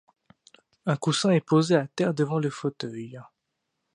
Un coussin est posé à terre devant le fauteuil.